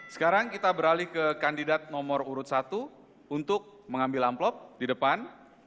sekarang kita beralih ke kandidat nomor urut satu untuk mengambil amplop di depan